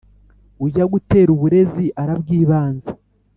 Ujya gutera uburezi arabwibanza